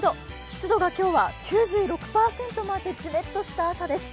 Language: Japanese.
湿度が今日は９６％もあってじめっとした朝です。